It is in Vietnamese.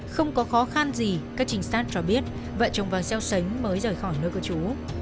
không có khó khăn gì các trinh sát cho biết vợ chồng vàng xeo sánh mới rời khỏi nơi của chú